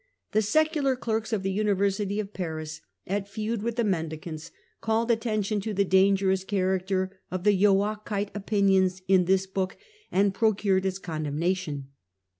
The secular clerks of the University of Paris, at feud with the Mendicants, called attention to the dangerous character of the " Joachite " opinions in this book, and procured its condemnation.